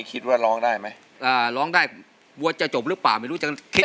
หนูว่าแผ่นป้ายเนี่ยควรเปิดจากแรกรอบแต่นี้ให้หมดเลย